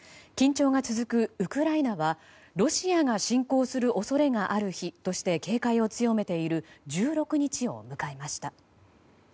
緊張が続くウクライナはロシアが侵攻する恐れがある日として警戒を強めている１６日を迎えました。